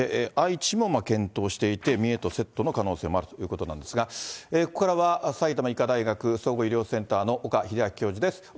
愛知も検討していて、三重とセットの可能性もあるということなんですが、ここからは、埼玉医科大学総合医療センターの岡秀昭教授です。